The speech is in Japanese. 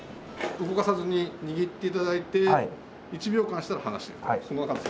動かさずに握って頂いて１秒間したら離して。